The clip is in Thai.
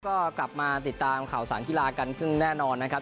ก็กลับมาติดตามข่าวสารกีฬากันซึ่งแน่นอนนะครับ